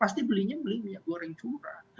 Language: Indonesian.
kalau belinya pasti belinya minyak goreng curah